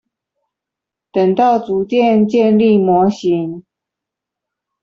等到逐漸建立模型